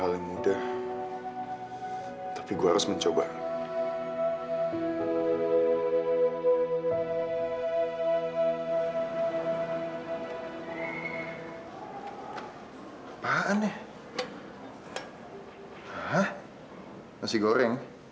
jadi kotor lagi